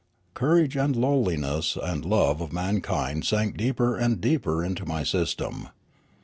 Courage and lowliness and love of mankind sank deeper and deeper into my system.